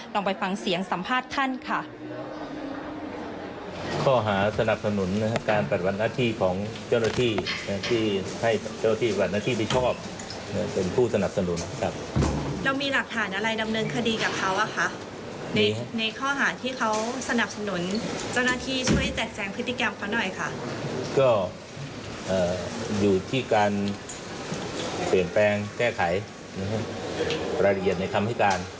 ลองไปฟังเสียงสัมภาษณ์ท่านค่ะ